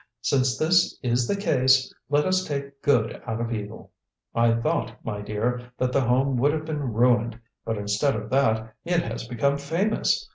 Since this is the case, let us take good out of evil. I thought, my dear, that the Home would have been ruined, but instead of that, it has become famous.